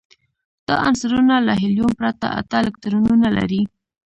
دا عنصرونه له هیلیوم پرته اته الکترونونه لري.